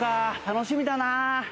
楽しみだな。